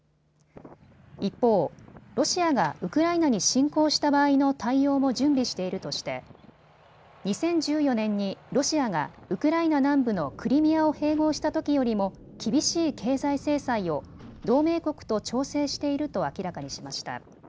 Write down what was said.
一方、ロシアがウクライナに侵攻した場合の対応も準備しているとして２０１４年にロシアがウクライナ南部のクリミアを併合したときよりも厳しい経済制裁を同盟国と調整していると明らかにしました。